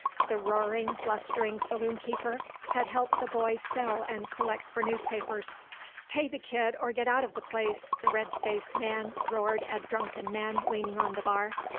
The roaring, blustering saloonkeeper had helped the boy sell and collect for newspapers. "Pay the kid or get out of the place," the red faced man roared at drunken men leaning on the bar.